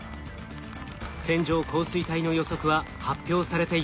線状降水帯の予測は発表されていませんでした。